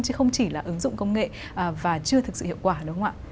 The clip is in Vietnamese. chứ không chỉ là ứng dụng công nghệ và chưa thực sự hiệu quả đúng không ạ